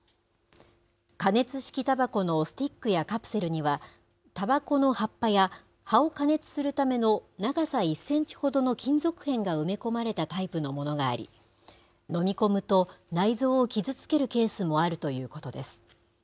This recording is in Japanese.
加熱式たばこのスティックやカプセルには、たばこの葉っぱや葉を加熱するための長さ１センチほどの金属片が埋め込まれたタイプのものがあり、飲み込むと、内臓を傷つけるケースもあるということです。